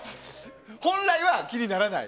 本来は気にならない？